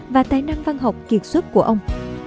và tài năng văn học kiệt xuất của ông